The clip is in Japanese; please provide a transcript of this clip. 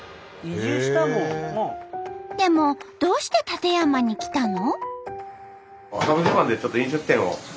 でもどうして館山に来たの？